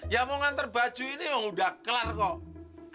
ya mau ngantar baju ini udah kelar kok